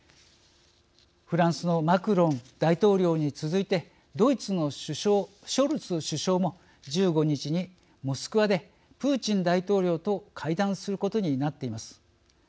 フランスのマクロン大統領に続いてドイツのショルツ首相も１５日にモスクワでプーチン大統領と会談することになっています。